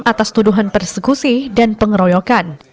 atas tuduhan persekusi dan pengeroyokan